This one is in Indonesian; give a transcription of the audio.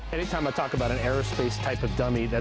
ketika saya berbicara tentang jenis penerbangan di alam udara